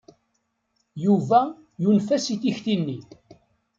Yuba yunef-as i tikti-nni.